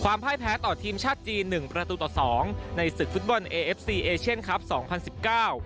พ่ายแพ้ต่อทีมชาติจีนหนึ่งประตูต่อสองในศึกฟุตบอลเอเอฟซีเอเชียนครับสองพันสิบเก้า